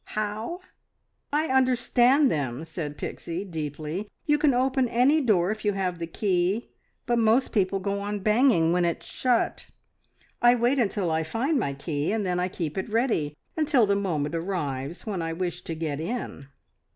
"How?" "I understand them," said Pixie deeply. "You can open any door if you have the key, but most people go on banging when it's shut. I wait till I find my key, and then I keep it ready until the moment arrives when I wish to get in."